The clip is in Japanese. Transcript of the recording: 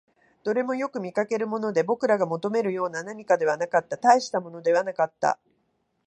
どれもよく見かけるもので、僕らが求めるような何かではなかった、大したものではなかった